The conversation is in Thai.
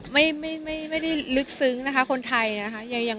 ไม่ได้ลึกซึ้งนะคะคนไทยนะคะ